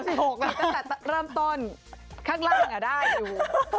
แต่แต่เริ่มต้นข้างล่างอ่ะได้อยู่